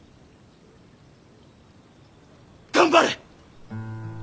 頑張れ！